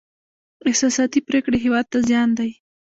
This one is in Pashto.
احساساتي پرېکړې هېواد ته زیان دی.